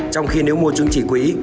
trong khi nếu mua chứng chỉ quỹ